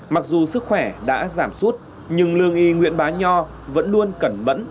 mặc dù sức khỏe đã giảm suốt nhưng lương y nguyễn bá nho vẫn luôn cẩn mẫn